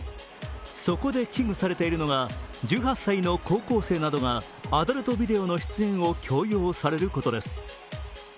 そこで危惧されているのが、１８歳の高校生などがアダルトビデオの出演を強要されることです。